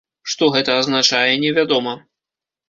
Што гэта азначае, невядома.